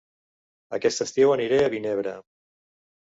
Aquest estiu aniré a Vinebre